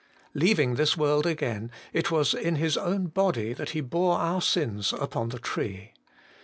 Leaving this world again, it was in His own body that He bore our sins upon the tree.